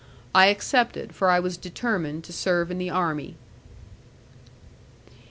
I accepted, for I was determined to serve in the army.